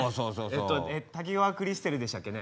えっと滝川クリステルでしたっけね？